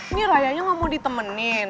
ini rayanya nggak mau ditemenin